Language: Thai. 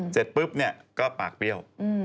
เสร็จปุ๊บก็ปากเปรี้ยว